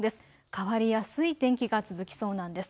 変わりやすい天気が続きそうなんです。